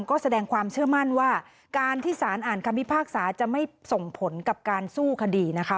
ก็แสดงความเชื่อมั่นว่าการที่สารอ่านคำพิพากษาจะไม่ส่งผลกับการสู้คดีนะคะ